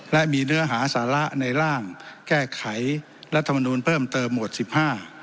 และมีเนื้อหาสาระในร่างแก้ไขรัฐมนูลเพิ่มเติมหมวดสิบห้า